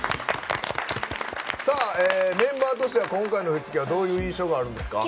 メンバーとしては今回の振り付けはどういう印象があるんですか？